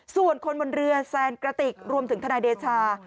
ส่วนคนบนเรือแซนกระติกรวมถึงทนายเดชา